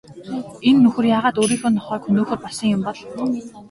Энэ нөхөр яагаад өөрийнхөө нохойг хөнөөхөөр болсон юм бол?